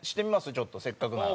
ちょっとせっかくなら。